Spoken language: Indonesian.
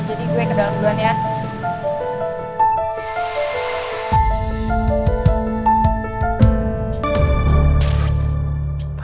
jadi gue ke dalam duluan ya